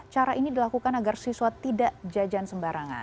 cara ini dilakukan agar siswa tidak jajan sembarangan